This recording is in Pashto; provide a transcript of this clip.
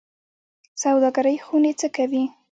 سوداګرۍ خونې څه کوي؟